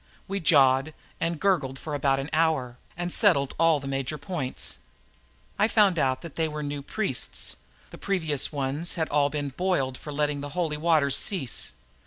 We jawed and gurgled for about an hour and settled all the major points. I found out that they were new priests; the previous ones had all been boiled for letting the Holy Waters cease.